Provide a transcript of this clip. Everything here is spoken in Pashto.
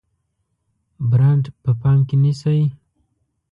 برانډ په پام کې نیسئ؟